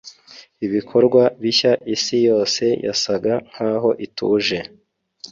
Ibikorwa bishya isi yose yasaga nkaho ituje